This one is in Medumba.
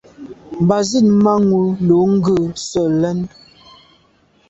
Mba zit manwù lo ghù se lèn.